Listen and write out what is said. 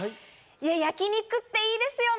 焼肉っていいですよね。